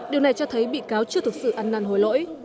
điều này cho thấy bị cáo chưa thực sự ăn năn hối lỗi